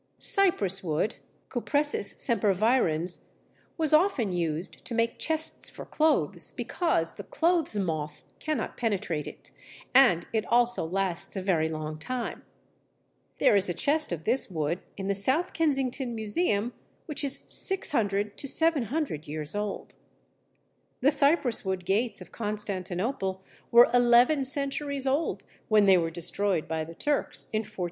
Cypress wood (Cupressus sempervirens) was often used to make chests for clothes because the clothes moth cannot penetrate it, and it also lasts a very long time. There is a chest of this wood in the South Kensington Museum which is 600 700 years old. The Cypresswood gates of Constantinople were eleven centuries old when they were destroyed by the Turks in 1453.